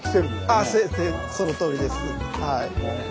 ああそのとおりです。